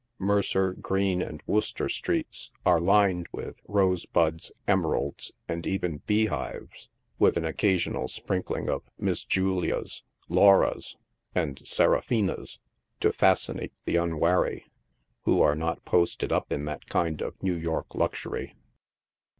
Mercer, Greene and Wooster streets are lined with " Rosebuds," " Emeralds," and even " Bee Hives," with an occa sional sprinkling of '■' Miss Julias," " Lauras" and " Seraphinas" to fascinate the unwary, who are not posted up in that kind of New York luxury.